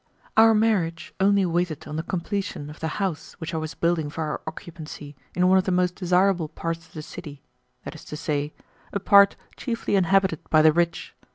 Our marriage only waited on the completion of the house which I was building for our occupancy in one of the most desirable parts of the city, that is to say, a part chiefly inhabited by the rich.